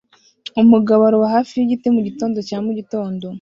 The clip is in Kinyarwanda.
Umugabo aroba hafi yigiti mugitondo cya mugitondo